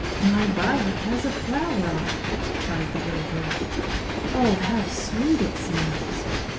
"My violet has a flower on it!" cried the little girl. "Oh, how sweet it smells!"